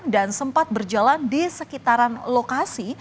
dan sempat berjalan di sekitaran lokasi